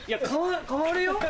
代わるよ。